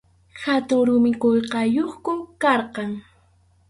Hatun rumi qullqayuqku karqan.